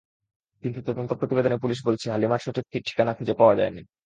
কিন্তু তদন্ত প্রতিবেদনে পুলিশ বলছে, হালিমার সঠিক ঠিকানা খুঁজে পাওয়া যায়নি।